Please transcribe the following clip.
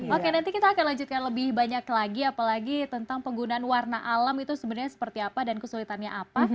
oke nanti kita akan lanjutkan lebih banyak lagi apalagi tentang penggunaan warna alam itu sebenarnya seperti apa dan kesulitannya apa